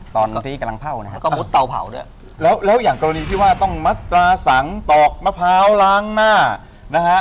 ตอนที่กำลังเผ่านะฮะก็มุดเตาเผาด้วยแล้วแล้วอย่างกรณีที่ว่าต้องมัตราสังตอกมะพร้าวล้างหน้านะฮะ